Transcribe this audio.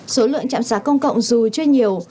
số lượng chạm sạc công cộng dù chưa nhiều